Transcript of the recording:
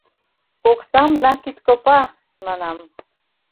Оксам на кидкопа, манам!